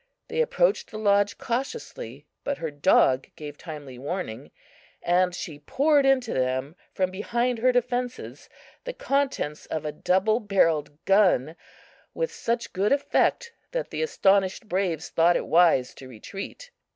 They approached the lodge cautiously, but her dog gave timely warning, and she poured into them from behind her defences the contents of a double barrelled gun, with such good effect that the astonished braves thought it wise to retreat.